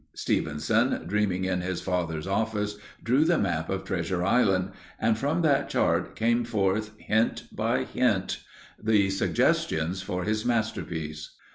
Stevenson, dreaming in his father's office, drew the map of Treasure Island, and from that chart came forth, hint by hint, the suggestions for his masterpiece.